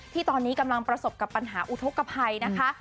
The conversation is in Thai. ที่ตอนนี้กำลังประสบกับปัญหาอุทธกภัยนะคะ